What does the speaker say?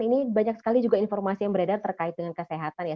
ini banyak sekali juga informasi yang beredar terkait dengan kesehatan ya